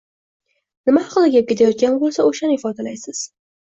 nima haqida gap ketayotgan bo‘lsa, o‘shani ifodalaysiz.